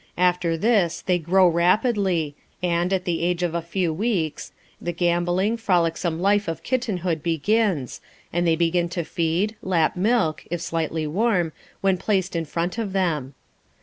After this they grow rapidly, and, at the age of a few weeks, the gamboling, frolicsome life of "kittenhood" begins, and they begin to feed, lap milk, if slightly warm, when placed in front of them.